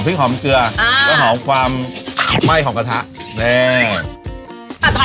พริกหอมเกลืออ่าก็หอมความไข่ของกระทะแน่ผัดไทย